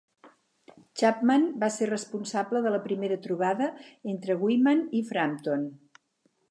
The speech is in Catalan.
Chapman va ser responsable de la primera trobada entre Wyman i Frampton.